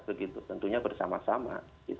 begitu tentunya bersama sama